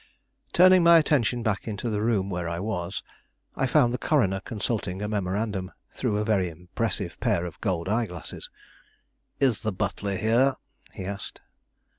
Turning my attention back into the room where I was, I found the coroner consulting a memorandum through a very impressive pair of gold eye glasses. "Is the butler here?" he asked.